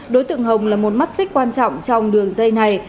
đối tượng hồng là một mắt xích quan trọng trong đường dây này